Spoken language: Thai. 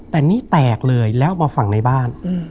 แต่นี่แตกเลยแล้วมาฝั่งในบ้าน